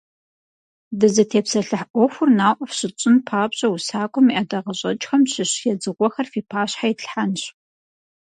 Дызытепсэлъыхь Ӏуэхур наӀуэ фщытщӀын папщӀэ усакӀуэм и ӀэдакъэщӀэкӀхэм щыщ едзыгъуэхэр фи пащхьэ итлъхьэнщ.